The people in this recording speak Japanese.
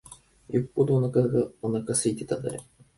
よっぽどおなか空いてたんだね。